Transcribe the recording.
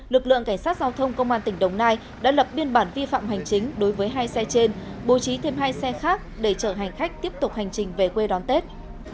lực lượng cảnh sát giao thông công an tỉnh đồng nai đã lập biên bản vi phạm hành chính đối với hai xe trên bố trí thêm hai xe khác để chở hành khách tiếp tục hành trình về quê đón tết